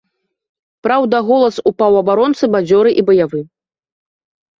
Праўда, голас у паўабаронцы бадзёры і баявы.